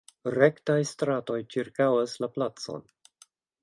Rektaj stratoj ĉirkaŭas la placon.